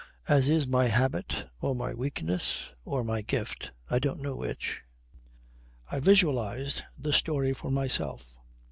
As is my habit, or my weakness, or my gift, I don't know which, I visualized the story for myself.